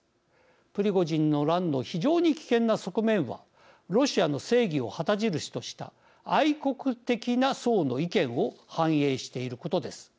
プリゴジンの乱の非常に危険な側面はロシアの正義を旗印とした愛国的な層の意見を反映していることです。